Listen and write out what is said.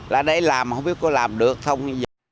là đây làm mà không biết có làm được không